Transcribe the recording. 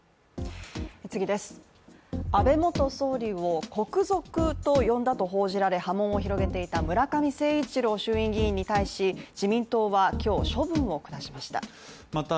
安倍元総理を国賊と呼んだと報じられ波紋を広げていた村上誠一郎衆院議員に対し自民党は今日、処分を下しました。